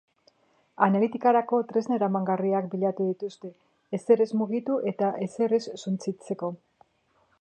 Analitikarako tresna eramangarriak baliatu dituzte, ezer ez mugitu eta ezer ez suntsitzeko.